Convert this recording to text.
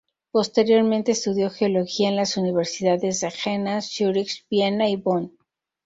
Posteriormente, estudió geología en las Universidades de Jena, Zürich, Viena y Bonn.